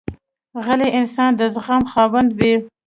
غلی انسان، د زغم خاوند وي.